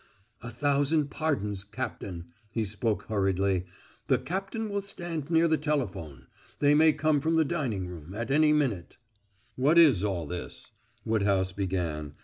"A thousand pardons, Cap tain" he spoke hurriedly "the cap tain will stand near the telephone. They may come from the dining room at any minute." "What is all this?" Woodhouse began.